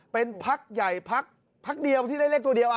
เป็นพักใหญ่พักเดียวที่ได้เลขตัวเดียว